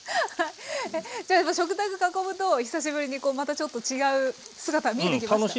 じゃあ食卓囲むと久しぶりにまたちょっと違う姿見えてきました？